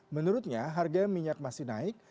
menurutnya harga minyak masih naik